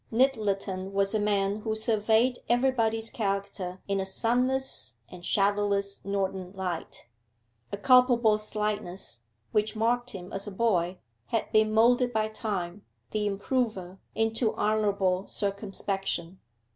Nyttleton was a man who surveyed everybody's character in a sunless and shadowless northern light. A culpable slyness, which marked him as a boy, had been moulded by Time, the Improver, into honourable circumspection.